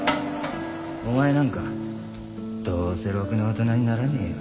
お前なんかどうせろくな大人にならねえよ